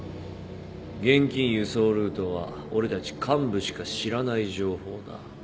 現金輸送ルートは俺たち幹部しか知らない情報だ。